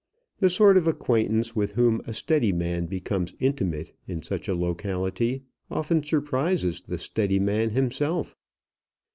The sort of acquaintance with whom a steady man becomes intimate in such a locality often surprises the steady man himself.